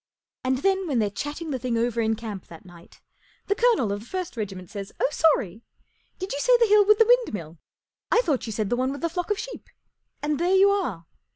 And then, when they're chatting the thing over in camp that night, the colonel of the first regiment says, ft Oh, sorry ! Did you say the hill with the windmill ? I thought you said the one with the flock of sheep/' And there you are